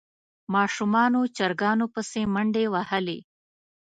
ماشومانو چرګانو پسې منډې وهلې.